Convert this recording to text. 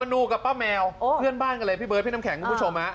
นูกับป้าแมวเพื่อนบ้านกันเลยพี่เบิร์ดพี่น้ำแข็งคุณผู้ชม